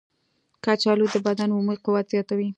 کچالو د بدن عمومي قوت زیاتوي.